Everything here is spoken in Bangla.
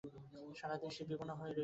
সারাদিন সে বিমনা হইয়া রহিল।